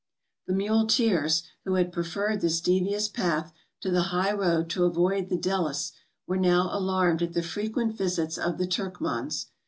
The muleteers, who had preferred this devious path to the highroad to avoid the Dellis, were now alarmed at the frequent visits of the Turkmans.